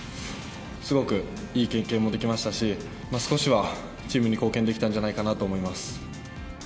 すごくいい経験もできましたし、少しはチームに貢献できたんじゃないかなと思います。